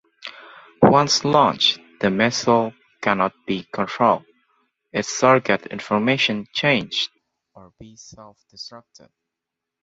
Once launched, the missile cannot be controlled, its target information changed or be self-destructed.